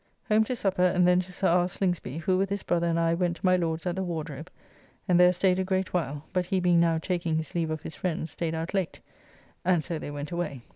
Home to supper, and then to Sir R. Slingsby, who with his brother and I went to my Lord's at the Wardrobe, and there staid a great while, but he being now taking his leave of his friends staid out late, and so they went away.